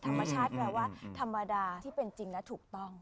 ธรรมชาติแปลว่าธรรมดาที่เป็นจริงและถูกต้อง